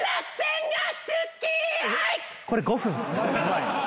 これ５分。